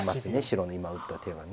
白の今打った手は。